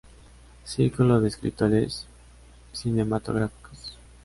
Círculo de escritores cinematográficos